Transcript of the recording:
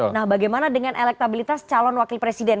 nah bagaimana dengan elektabilitas calon wakil presiden